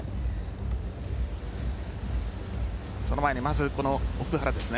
その前にまず、奥原です。